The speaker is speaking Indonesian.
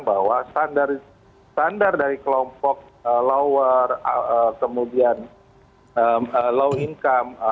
bahwa standar dari kelompok lower kemudian low income